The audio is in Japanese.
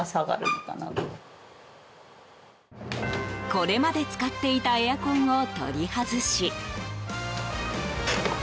これまで使っていたエアコンを取り外し。